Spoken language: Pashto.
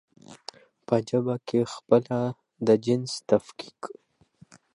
په ژبه کې پخپله د جنس تفکيک